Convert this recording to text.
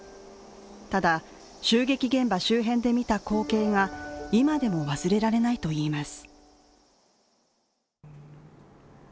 ただ、襲撃現場周辺で見た光景が今でも忘れられないといいます。